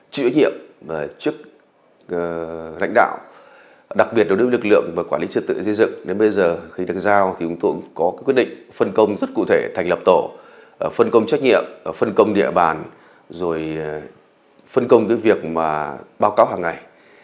khải cũng có quyết định phân công rất cụ thể thành lập tổ phân công trách nhiệm phân công địa bàn rồi phân công việc báo cáo hàng ngày